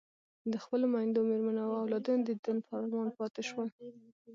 د خپلو میندو، مېرمنو او اولادونو د دیدن په ارمان پاتې شول.